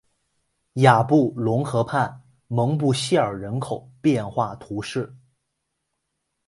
雅布龙河畔蒙布谢尔人口变化图示